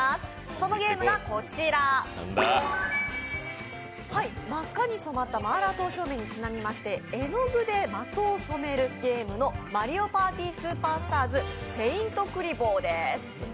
そのゲームがこちら、真っ赤に染まったマーラー刀削麺にちなみまして絵の具で的を染めるゲームの「マリオパーティスーパースターズ」「ペイントクリボー」です。